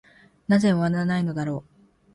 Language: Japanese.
なぜ終わないのだろう。